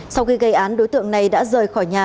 sau khi gây án đối tượng này đã rời khỏi nhà